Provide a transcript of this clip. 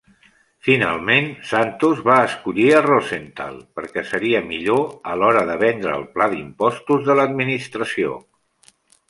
Finalment, Santos va escollir a Rosenthal perquè seria millor a l'hora de vendre el pla d'impostos de l'administració.